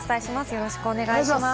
よろしくお願いします。